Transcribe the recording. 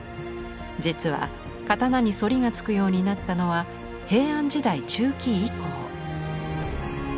実は刀に反りがつくようになったのは平安時代中期以降。